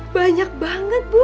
banyak banget bu